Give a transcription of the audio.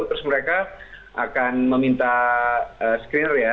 terus mereka akan meminta screener ya